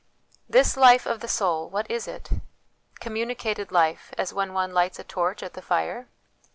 This life of the soul, what is it? Communicated life, as when one lights a torch at the fire